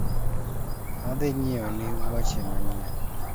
Adhi nyieoni woche manyien